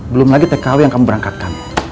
belum lagi tkw yang kamu berangkatkan